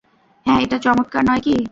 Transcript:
হ্যাঁ, এটা চমৎকার নয় কী?